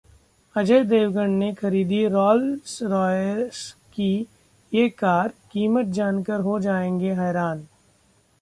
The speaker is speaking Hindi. अजय देवगन ने खरीदी रॉल्स रॉयस की ये कार, कीमत जानकर हो जाएंगे हैरान